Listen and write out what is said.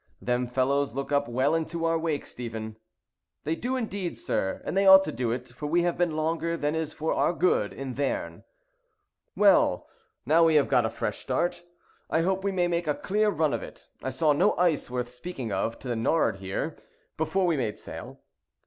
Them fellows look up well into our wake, Stephen." "They do indeed, sir, and they ought to do it; for we have been longer than is for our good in their'n." "Well, now we have got a fresh start, I hope we may make a clear run of it. I saw no ice worth speaking of, to the nor'ard here, before we made sail."